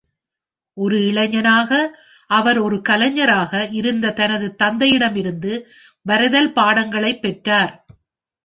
ஒரு இளைஞனாக, அவர் ஒரு கலைஞராக இருந்த தனது தந்தையிடமிருந்து வரைதல் பாடங்களைப் பெற்றார்.